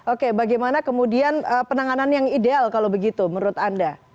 oke bagaimana kemudian penanganan yang ideal kalau begitu menurut anda